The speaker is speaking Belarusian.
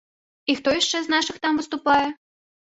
І хто яшчэ з нашых там выступае?